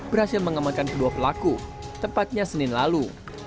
berhasil mengamankan kedua pelaku tepatnya senin lalu